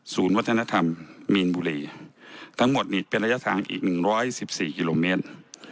ศูนย์วัฒนธรรมมีนบุรีทั้งหมดนี่เป็นระยะทางอีกหนึ่งร้อยสิบสี่กิโลเมตร